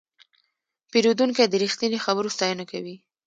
پیرودونکی د رښتیني خبرو ستاینه کوي.